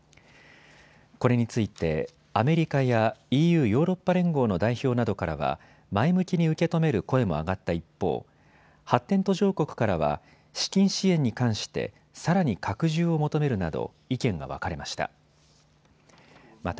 これについてアメリカやＥＵ・ヨーロッパ連合の代表などからは前向きに受け止める声も上がった一方、発展途上国からは資金支援に関してさらに拡充を求めるなど意見が分かれました。